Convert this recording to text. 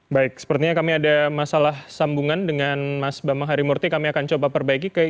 baik sepertinya kami ada masalah sambungan dengan mas bambang harimurti kami akan coba perbaiki